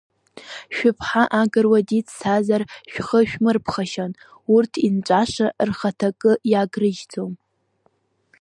Шәыԥҳа агыруа диццазар шәхы шәмырԥхашьан, урҭ, инҵәаша, рхаҭа акы иагрыжьӡом!